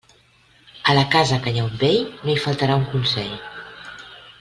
A la casa que hi ha un vell, no hi faltarà un consell.